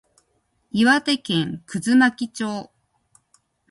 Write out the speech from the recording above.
岩手県葛巻町